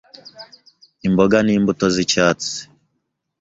Imboga n’imbuto z’icyatsi